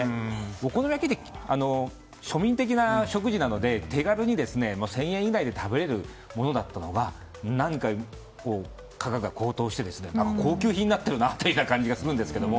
お好み焼きって庶民的な食事なので手軽に１０００円以内で食べられるものだったのが何か、価格が高騰して高級品になっている感じがするんですが。